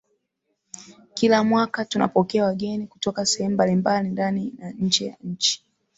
Kila mwaka tunapokea wageni kutoka sehemu mbali mbali ndani na nje ya nchi